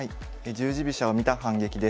「十字飛車を見た反撃」です。